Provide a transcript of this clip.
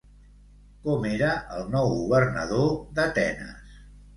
Com era el nou governador d'Atenes?